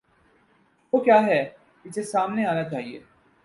وہ کیا ہے، اسے سامنے آنا چاہیے۔